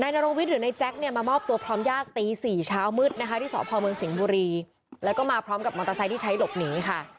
นายนาโรวิทย์หรือนายแจ๊คมามอบตัวพร้อมยากตี๔เช้ามืดที่สตเมืองสิงห์บุรีและก็มาพร้อมกับมอเตอร์ไซค์ที่ใช้หลบหนีค่ะ